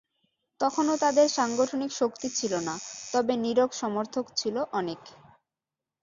তখনো তাদের সাংগঠনিক শক্তি ছিল না, তবে নীরব সমর্থক ছিল অনেক।